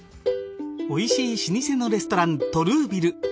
おいしい老舗のレストラントルーヴィル。